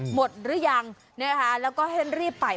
หมดหรือยังนะคะแล้วก็ให้รีบไป